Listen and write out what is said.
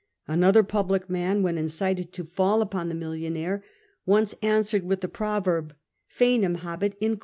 Another public man, when incited to fall upon the millionaire, once answered with the proverb, "Foenum habet in ^?